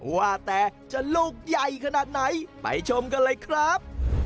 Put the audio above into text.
ว่าแต่จะลูกใหญ่ขนาดไหนไปชมกันเลยครับ